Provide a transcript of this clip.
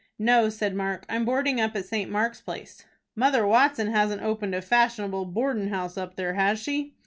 "No," said Mark, "I'm boarding up at St. Mark's Place." "Mother Watson hasn't opened a fashionable boardin' house up there, has she?"